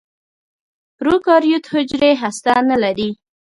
پروکاریوت حجرې هسته نه لري.